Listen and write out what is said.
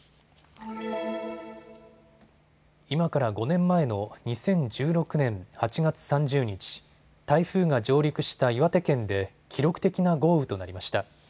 今から５年前の２０１６年８月３０日、台風が上陸した岩手県で記録的な豪雨となりました。